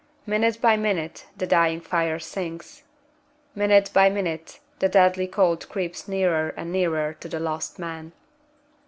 Minute by minute the dying fire sinks. Minute by minute the deathly cold creeps nearer and nearer to the lost men.